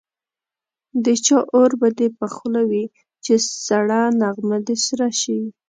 د چا اور به دي په خوله وي چي سړه نغمه دي سره سي